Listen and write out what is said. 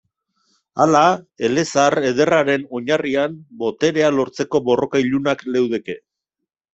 Hala, elezahar ederraren oinarrian boterea lortzeko borroka ilunak leudeke.